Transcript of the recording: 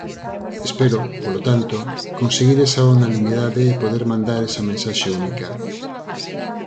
Espero, polo tanto, conseguir esa unanimidade e poder mandar esa mensaxe única.